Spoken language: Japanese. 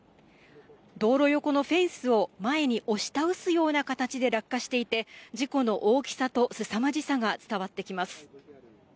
道路横のフェンスを前に押し倒すような形で落下していて、事故の大きさとすさまじさが伝わってきます。